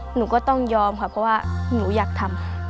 หนูก็ต้องยอมค่ะเพราะว่าหนูอยากทำ